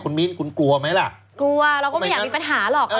คุณมิ้นคุณกลัวไหมล่ะกลัวเราก็ไม่อยากมีปัญหาหรอก